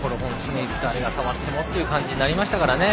誰が触ってもという感じになりましたからね。